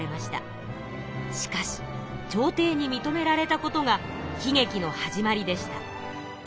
しかし朝廷にみとめられたことが悲げきの始まりでした。